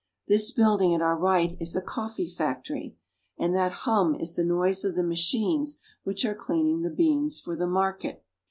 This building at our right is a coffee factory, and that hum is the noise of the machines which are cleaning the beans RIO DE JANEIRO 273 for the market.